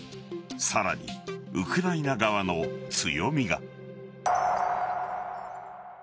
さらにウクライナ側の強みが。